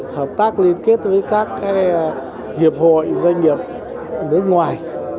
hợp tác liên kết với các hiệp hội doanh nghiệp nước ngoài